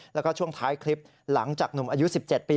แล้วก็ช่วงท้ายคลิปหลังจากหนุ่มอายุ๑๗ปี